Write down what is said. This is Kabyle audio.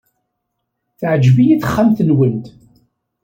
Teɛjeb-iyi texxamt-nwent.